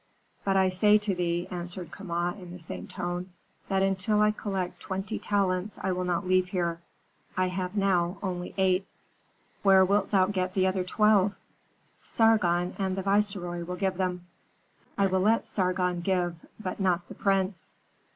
"But I say to thee," answered Kama, in the same tone, "that until I collect twenty talents I will not leave here. I have now only eight." "Where wilt thou get the other twelve?" "Sargon and the viceroy will give them." "I will let Sargon give, but not the prince."